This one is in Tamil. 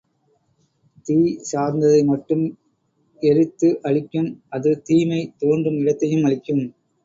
தீ சார்ந்ததை மட்டும் எரித்து அழிக்கும், அது தீமை தோன்றும் இடத்தையும் அழிக்கும்.